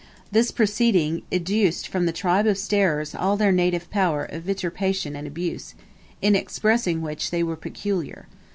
This proceeding educed from the tribe of starers all their native power of vituperation and abuse, in expressing which they were peculiar.